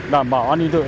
đảm bảo an ninh tự